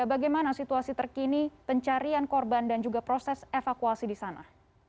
bagaimana situasi terkini pencarian korban dan juga proses evakuasi di sana